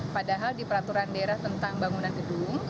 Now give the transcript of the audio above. padahal di peraturan daerah tentang bangunan gedung